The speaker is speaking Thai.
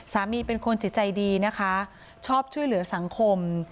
เป็นคนจิตใจดีนะคะชอบช่วยเหลือสังคม